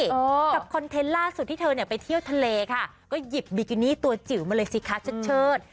กับคอนเทนต์ล่าสุดที่เธอเนี่ยไปเที่ยวทะเลค่ะก็หยิบบิกินี่ตัวจิ๋วมาเลยสิคะเชิดเชิด